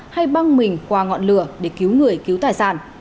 hay băng mình qua ngọn lửa để cứu người cứu tài sản